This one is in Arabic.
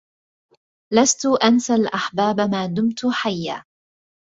لست أنسى الأحباب ما دمت حيا